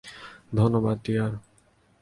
ধন্যবাদ, ডিয়ার।